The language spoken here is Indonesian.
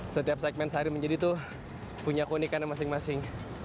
setiap segmen sehari menjadi itu punya keunikan masing masing